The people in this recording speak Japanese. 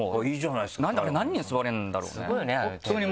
あれ何人座れるんだろうね？